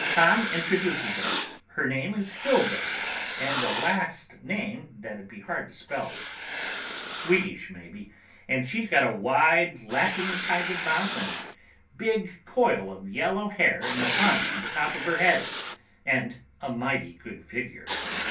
Tom introduces us. Her name is Hilda and a last name that'd be hard to spell—Swedish maybe—and she's got a wide, laughing kind of mouth and a big coil of yellow hair in a bun on top of her head, and a mighty good figure.